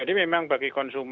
jadi memang bagi konsumen ya